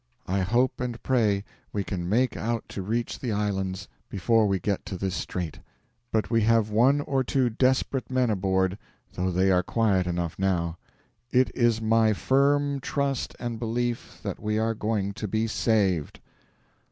I hope and pray we can make out to reach the islands before we get to this strait; but we have one or two desperate men aboard, though they are quiet enough now. IT IS MY FIRM TRUST AND BELIEF THAT WE ARE GOING TO BE SAVED.